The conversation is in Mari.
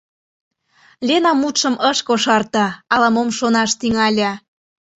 — Лена мутшым ыш кошарте, ала-мом шонаш тӱҥале.